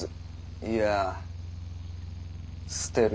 いや捨てる。